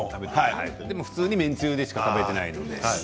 でも普通に麺つゆでしか食べていないので。